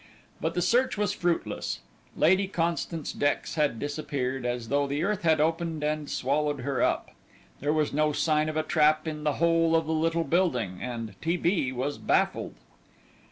But the search was fruitless; Lady Constance Dex had disappeared as though the earth had opened and swallowed her up. There was no sign of a trap in the whole of the little building, and T. B. was baffled.